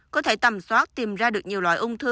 có thể tầm soát tìm ra được nhiều loại ung thư